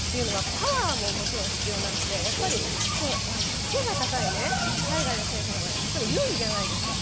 パワーももちろん必要なので、背が高い海外の選手の方がもちろん有利じゃないですか。